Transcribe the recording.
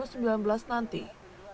tim liputan transmedia